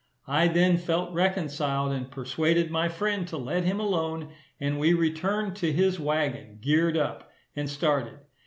I then felt reconciled, and persuaded my friend to let him alone, and we returned to his waggon, geared up, and started.